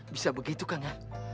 bisa begitu kang